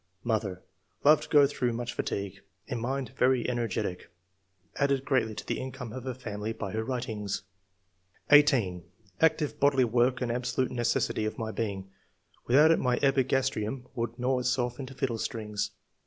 Mother — Loved to go through much fatigue. In mind very energetic; added greatly to the income of her family by her writings." 18. "Active bodily work an absolute necessity of my being ; without it my epigastrium would gnaw itself into fiddle strings.